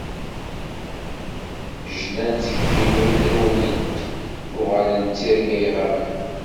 Jlant tektiwin rewlent, uɣalent d tirga iɣaben.